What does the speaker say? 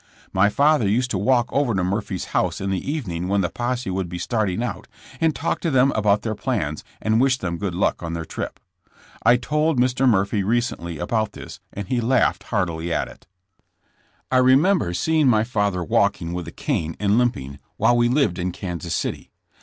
My father used to walk over to Murphy's house in the evening when the posse would be starting out, and talk to them about their plans, and wish them good luck on their trip. I told Mr. Murphy recently about this and he laughed heartily at it. S JSSSS JAMES. I remember seeing my father walking with a cane and limping, while we lived in Kansas City.